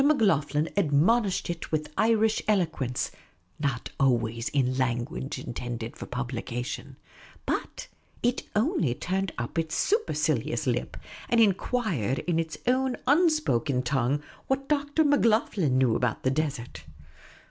Macloghlen admonished it with Irish eloquence, not always in language intended for publication ; but it only turned up its supercilious lip and enquired in its own un spoken tongue what he knew about the desert.